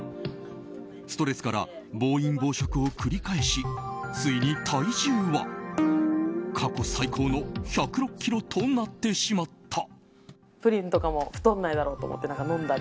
ストレスから暴飲暴食を繰り返しついに体重は過去最高の１０６ｋｇとなってしまった。